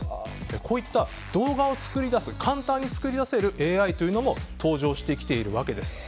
こういった動画を簡単に作り出せるＡＩというのも登場してきているわけです。